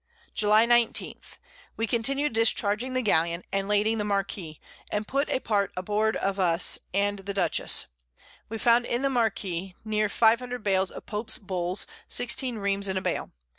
July 19. We continued discharging the Galleon, and lading the Marquiss, and put a Part aboard of us and the Dutchess. We found in the Marquiss near 500 Bales of Pope's Bulls, 16 Reams in a Bale.